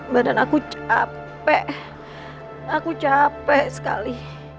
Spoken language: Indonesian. badan aku capek aku capek sekali